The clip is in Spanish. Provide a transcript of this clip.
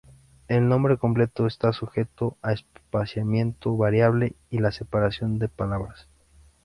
El nombre completo está sujeto a espaciamiento variable y la separación de palabras.